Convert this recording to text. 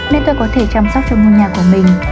nên tôi có thể chăm sóc cho ngôi nhà của mình